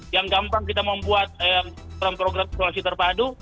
yang gampang kita membuat program program isolasi terpadu